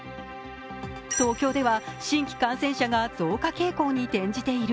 東京では新規感染者が増加傾向に転じている。